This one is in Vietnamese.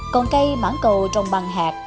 còn cây mãn cầu trồng bằng hạt